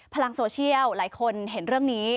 พลังโซเชียลหลายคนเห็นเรื่องนี้